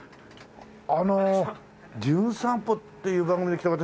あの『じゅん散歩』っていう番組で来た私